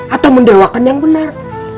atau mendewakan yang benar